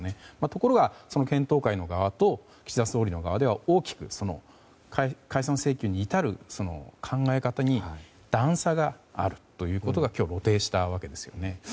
ところが、その検討会の側と岸田総理の側では大きく解散請求に至る考え方に段差があるということが今日、露呈したわけですよね。